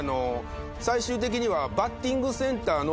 最終的にはバッティングセンターの。